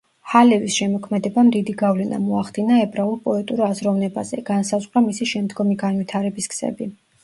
ჰალევის შემოქმედებამ დიდი გავლენა მოახდინა ებრაულ პოეტურ აზროვნებაზე, განსაზღვრა მისი შემდგომი განვითარების გზები.